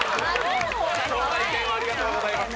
貴重な意見をありがとうございます。